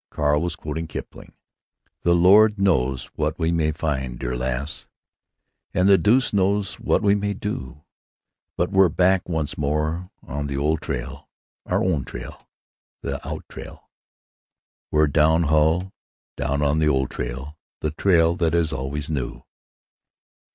Carl was quoting Kipling: "The Lord knows what we may find, dear lass, And the deuce knows what we may do— But we're back once more on the old trail, our own trail, the out trail, We're down, hull down on the Old Trail—the trail that is always new."